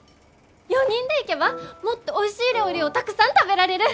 ４人で行けばもっとおいしい料理をたくさん食べられる！